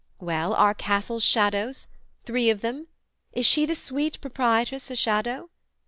Well, Are castles shadows? Three of them? Is she The sweet proprietress a shadow?